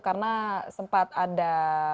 karena sempat ada